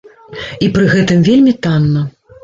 І пры гэтым вельмі танна.